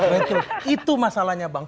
betul itu masalahnya bang